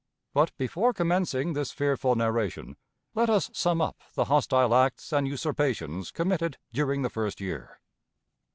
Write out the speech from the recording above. But, before commencing this fearful narration, let us sum up the hostile acts and usurpations committed during the first year.